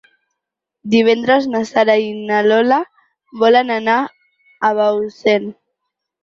Divendres na Sara i na Lola volen anar a Bausen.